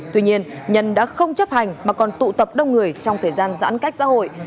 tuy nhiên nhân đã không chấp hành mà còn tụ tập đông người trong thời gian giãn cách xã hội